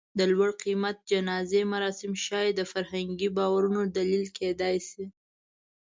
د لوړ قېمت جنازې مراسم شاید د فرهنګي باورونو دلیل کېدی شي.